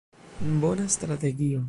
Bona strategio.